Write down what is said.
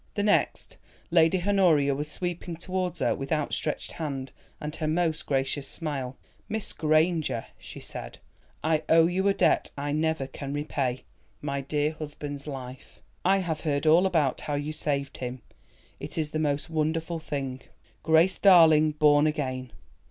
The next, Lady Honoria was sweeping towards her with outstretched hand, and her most gracious smile. "Miss Granger," she said, "I owe you a debt I never can repay—my dear husband's life. I have heard all about how you saved him; it is the most wonderful thing—Grace Darling born again.